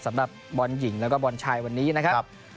สำหรับบอลหญิงแล้วก็บอลชายวันนี้นะครับ